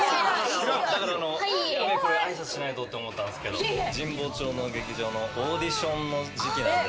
あいさつしないとって思ったんですけれど、神保町の劇場のオーディションの時期なんで。